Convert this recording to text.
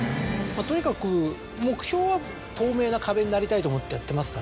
まぁとにかく目標は透明な壁になりたいと思ってやってますから。